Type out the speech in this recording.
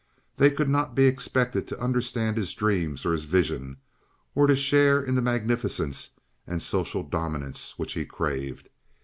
They could not be expected to understand his dreams or his visions, or to share in the magnificence and social dominance which he craved.